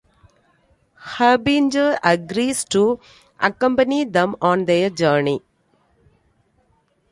Harbinger agrees to accompany them on their journey.